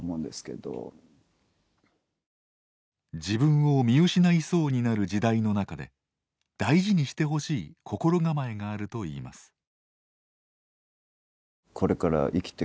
自分を見失いそうになる時代の中で大事にしてほしい心構えがあるといいます。